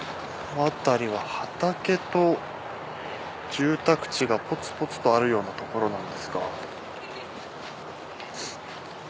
あたりは畑と住宅地がポツポツとあるようなところなんですが。